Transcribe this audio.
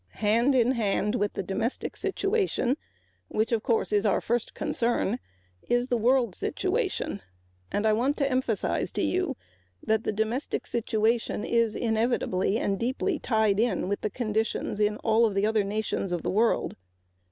Hand in hand with the domestic situation which, of course, is our first concern, is the world situation, and I want to emphasize to you that the domestic situation is inevitably and deeply tied in with the conditions in all of the other nations of the world.